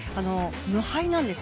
無敗なんです。